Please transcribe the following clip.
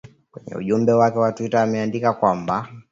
kwenye ujumbe wake wa twitter ameandika kwamba